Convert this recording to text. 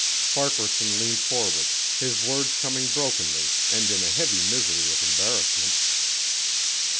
Farquaharson leaned forward, his words coming brokenly and in a heavy misery of embarrassment.